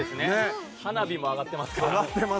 花火も上がっていますから。